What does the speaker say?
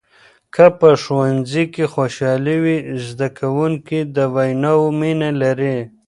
که په ښوونځي کې خوشحالي وي، زده کوونکي د ویناوو مینه لري.